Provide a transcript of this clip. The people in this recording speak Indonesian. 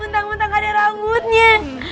bentang bentang kaya rambutnya